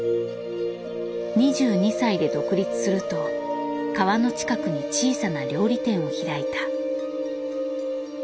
２２歳で独立すると川の近くに小さな料理店を開いた。